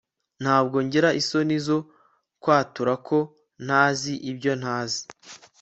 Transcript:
ntabwo ngira isoni zo kwatura ko ntazi ibyo ntazi